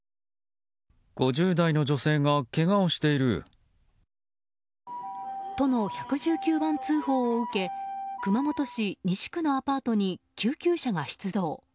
５０代の女性がけがをしている。との１１９番通報を受け熊本市西区のアパートに救急車が出動。